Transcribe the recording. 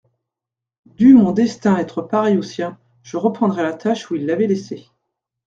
Dût mon destin être pareil au sien, je reprendrais la tâche où il l'avait laissée.